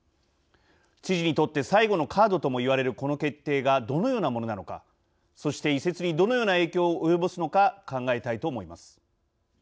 知事にとって最後のカードともいわれるこの決定がどのようなものなのかそして移設にどのような影響を及ぼすのか考えたいと思います。